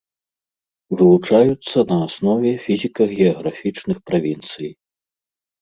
Вылучаюцца на аснове фізіка-геаграфічных правінцый.